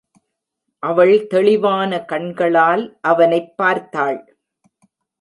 அவள் தெளிவான கண்களால் அவனைப் பார்த்தாள்.